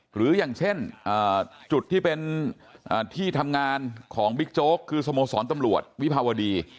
หรืออย่างเช่นจุดที่เป็นที่ทำงานของบิ๊กโจ๊กคือสโมสรตำรวจวิภาวดี